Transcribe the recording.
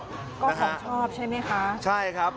ก็ของชอบใช่ไหมคะใช่ครับ